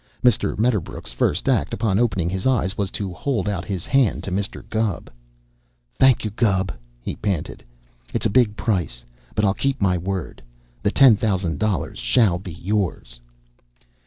Mr. Medderbrook's first act upon opening his eyes was to hold out his hand to Mr. Gubb. "Thank you, Gubb," he panted. "It's a big price, but I'll keep my word. The ten thousand dollars shall be yours."